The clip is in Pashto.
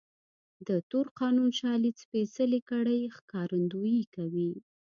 د تور قانون شالید سپېڅلې کړۍ ښکارندويي کوي.